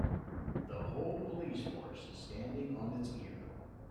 The whole police force standing on it's ear.